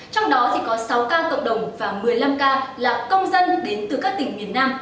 trong đó có sáu ca cộng đồng và một mươi năm ca là công dân đến từ các tỉnh miền nam